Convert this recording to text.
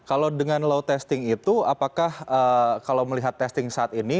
kalau dengan low testing itu apakah kalau melihat testing saat ini